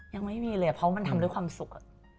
ยังไม่มีเลยเพราะมันทำด้วยความสุข